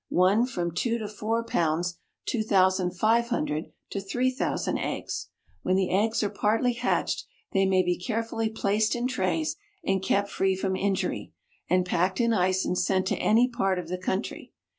One from two to four pounds, two thousand five hundred to three thousand eggs. When the eggs are partly hatched they may be carefully placed in trays and kept free from injury, and packed in ice and sent to any part of the country.